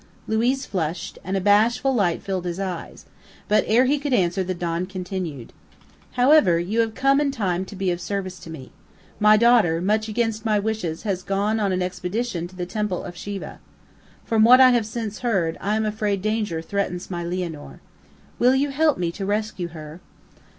Luiz flushed, and a bashful light filled his eyes; but, ere he could answer, the don continued: "However, you have come in time to be of service to me. My daughter, much against my wishes, has gone on an expedition to the Temple of Siva. From what I have since heard, I am afraid danger threatens my Lianor. Will you help me to rescue her?"